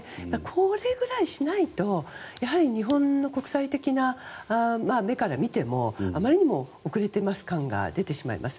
これぐらいしないとやはり日本の国際的な目から見てもあまりにも遅れています感が出てしまいます。